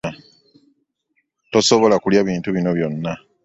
Tosobola kulya bintu bino byonna.